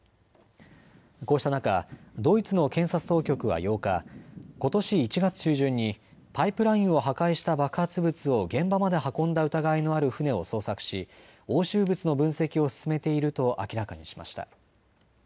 こうした中、ドイツの検察当局は８日、ことし１月中旬にパイプラインを破壊した爆発物を現場まで運んだ疑いのある船を捜索し押収物の分析を進めていると明らかにしました。